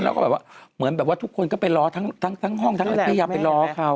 แล้วก็เหมือนแบบว่าทุกคนก็ไปรอทั้งห้องทั้งอาทิตยาไปรอเขา